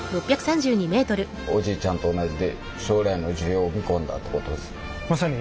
おじいちゃんと同じで将来の需要を見込んだってことっすね。